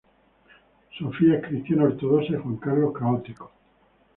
Sofía es cristiana ortodoxa y Juan Carlos católico.